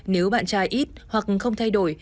nếu bạn trai ít hoặc không thay đổi